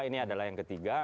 ini adalah yang ketiga